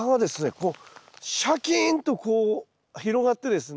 こうシャキーンとこう広がってですね